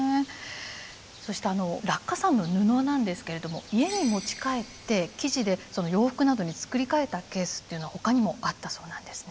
そして落下傘の布なんですけれども家に持ち帰って生地で洋服などに作り替えたケースっていうのはほかにもあったそうなんですね。